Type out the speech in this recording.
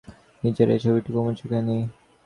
নিজের এই ছবিটি কুমুর চোখে পড়ে নি।